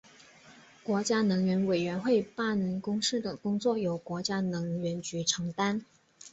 国家能源委员会办公室的工作由国家能源局承担。